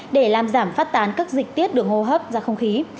để làm giảm phát tán các dịch tiết đường hô hấp ra không khí